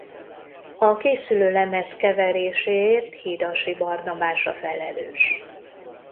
A készülő lemez keveréséért Hidasi Barnabás a felelős.